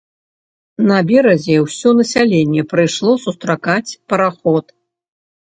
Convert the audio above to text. На беразе ўсё насяленне прыйшло сустракаць параход.